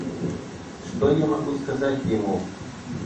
Что я могу сказать ему?